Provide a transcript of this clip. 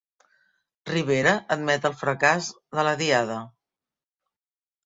Rivera admet el fracàs de la diada